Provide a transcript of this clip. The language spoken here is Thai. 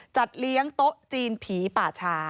จัดเลี้ยงโต๊ะจีนผีป่าชา